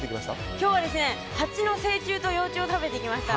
今日は、ハチの成虫と幼虫を食べてきました。